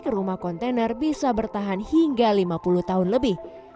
rumah kontainer bisa bertahan hingga lima puluh tahun lebih